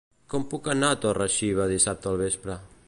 Com puc anar a Torre-xiva dissabte al vespre?